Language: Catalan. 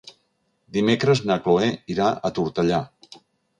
Dimecres na Chloé irà a Tortellà.